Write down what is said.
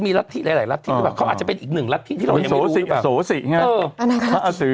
เขาอาจจะเป็นอีกหนึ่งรัฐธิที่เรายังไม่รู้